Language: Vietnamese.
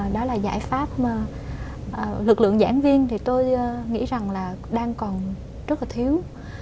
đó là giải pháp lực lượng giảng viên thì tôi nghĩ rằng là đang còn rất là thiếu